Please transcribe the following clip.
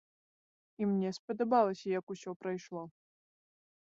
І мне спадабалася, як усё прайшло.